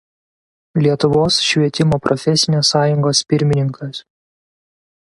Lietuvos švietimo profesinės sąjungos pirmininkas.